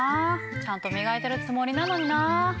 ちゃんと磨いてるつもりなのにな。